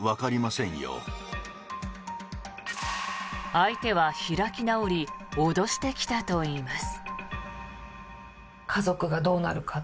相手は開き直り脅してきたといいます。